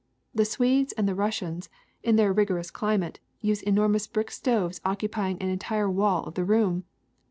The Swedes and the Eussians, in their rigorous climate, use enormous brick stoves occupying an entire wall of the room.